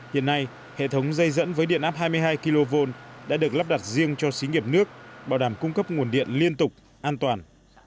hiện nay hệ thống dây dẫn với điện áp điện lực huyện gio linh đã tiến hành sửa chữa thay mới thiết bị đường dây dẫn đến các trạm